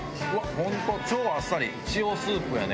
ホント超あっさり塩スープやね。